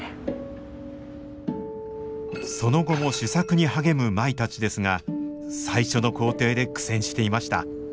その後も試作に励む舞たちですが最初の工程で苦戦していました。